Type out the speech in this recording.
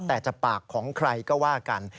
แต่จะปากของใครก็ว่ากัน